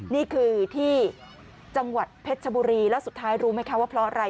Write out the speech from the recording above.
นี่คือที่จังหวัดเพชรชบุรีแล้วสุดท้ายรู้ไหมคะว่าเพราะอะไร